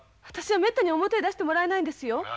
私はめったに表へ出してもらえないんですよ。